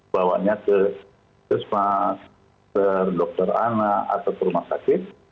bawanya ke pusmas dokter anak atau ke rumah sakit